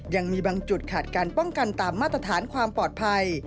ยังมีบางจุดขาดการป้องกันตามมาตรฐานความปลอดภัย